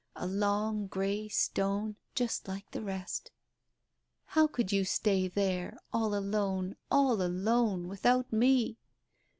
a long grey stone just like the rest. How could you stay there ?— all alone — all alone — without me?